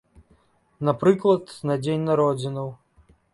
Напрыклад, на дзень народзінаў.